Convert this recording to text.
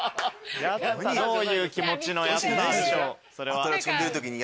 どういう気持ちの「やったー」でしょうそれは。